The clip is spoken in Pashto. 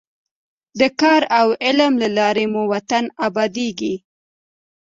د کار او علم له لارې مو وطن ابادېږي.